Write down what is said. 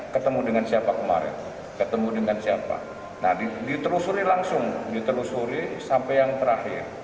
ketemu dengan siapa kemarin ketemu dengan siapa nah ditelusuri langsung ditelusuri sampai yang terakhir